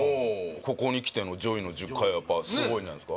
ここにきてのＪＯＹの１０回はやっぱすごいんじゃないですか